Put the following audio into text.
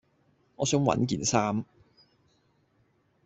我想搵件衫